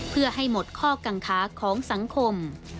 เพื่อให้หมดข้อกังคาของสังคม